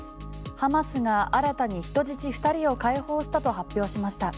ハマスが新たに人質２人を解放したと発表しました。